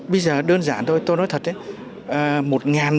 bây giờ đơn giản thôi tôi nói thật đấy